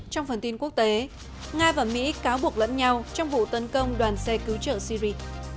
trong phần tin quốc tế nga và mỹ cáo buộc lẫn nhau trong vụ tấn công đoàn xe cứu trợ syri